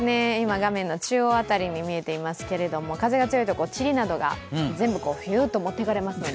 画面の中央辺りに見えておりますけれども風が強いところ、ちりなどがビュッと持ってかれますので。